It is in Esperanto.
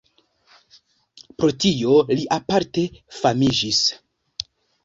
Pro tio li aparte famiĝis.